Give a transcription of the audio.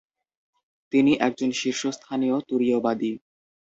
তিনি একজন শীর্ষস্থানীয় তুরীয়বাদী।